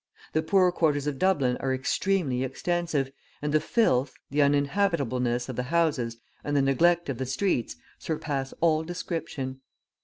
The poor quarters of Dublin are extremely extensive, and the filth, the uninhabitableness of the houses and the neglect of the streets, surpass all description.